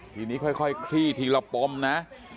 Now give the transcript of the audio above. ทีนี้ค่อยคลี่ทีละปมนะ